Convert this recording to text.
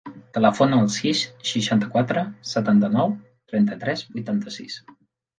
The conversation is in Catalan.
Telefona al sis, seixanta-quatre, setanta-nou, trenta-tres, vuitanta-sis.